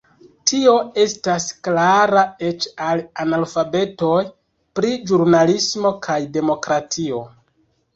Tio estas klara eĉ al analfabetoj pri ĵurnalismo kaj demokratio.